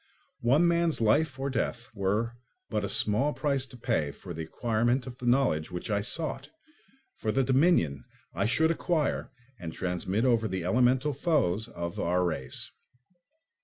One man's life or death were but a small price to pay for the acquirement of the knowledge which I sought, for the dominion I should acquire and transmit over the elemental foes of our race.